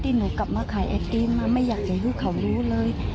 ที่หนูกลับมาขายแอทรีนมาไม่ได้ยินว่าเขารู้เลย